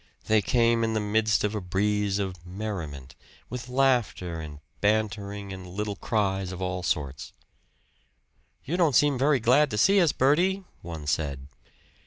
They came in the midst of a breeze of merriment, with laughter and bantering and little cries of all sorts. "You don't seem very glad to see us, Bertie!" one said.